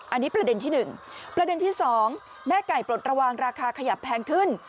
อันนี้ประเด็นที่๑ประเด็นที่๒แม่ไก่ปลดระวังราคาขยับแพงขึ้น